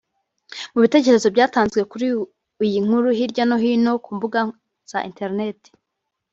Mu bitekerezo byatanzwe kuri iyi nkuru hirya no hino ku mbuga za interineti